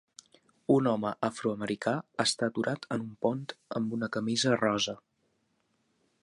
Un home afroamericà està aturat en un pont amb una camisa rosa.